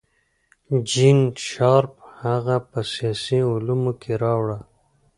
جین شارپ هغه په سیاسي علومو کې راوړه.